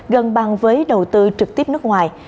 gần bằng với đầu tư trực tiếp nước ngoài